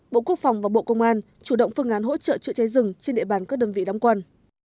bộ quốc phòng và bộ công an chủ động phương án hỗ trợ chữa cháy rừng trên địa bàn các đơn vị đóng quân